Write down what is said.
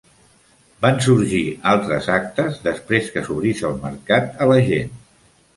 Van sorgir altres actes després que s'obrís el mercat a la gent.